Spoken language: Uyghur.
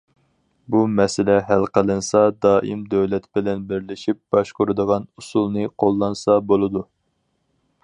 بۇ مەسىلە ھەل قىلىنسا دائىم دۆلەت بىلەن بىرلىشىپ باشقۇرىدىغان ئۇسۇلنى قوللانسا بولىدۇ.